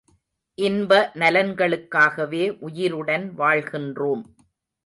இன்ப நலன்களுக்காகவே உயிருடன் வாழ்கின்றோம்.